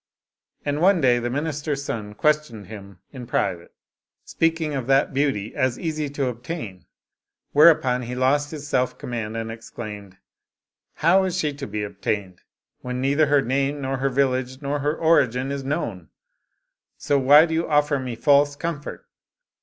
And one day the minister's son questioned him in private, speak Ii6 A Tale of a Demon ing of that beauty as easy to obtain, whereupon he lost his self command and exclaimed, " How is she to be obtained, when neither her name, nor her village, nor her origin is known? So why do you offer me false comfort?"